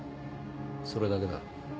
それだけだ。